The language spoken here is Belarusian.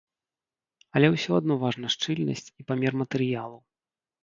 Але ўсё адно важна шчыльнасць і памер матэрыялу.